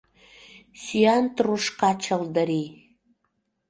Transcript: Сӱан трушка чылдырий